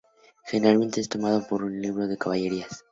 Generalmente es tomado por un libro de caballerías.